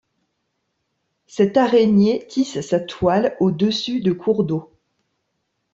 Cette araignée tisse sa toile au dessus de cours d'eau.